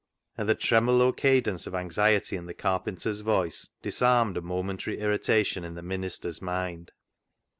" And the tremolo cadence of anxiety in the carpenter's voice dis armed a momentary irritation in the minister's mind.